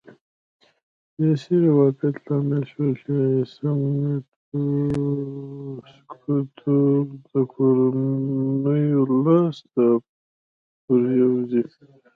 سیاسي روابط لامل شول چې سمنټو سکتور د کورنیو لاس ته پرېوځي.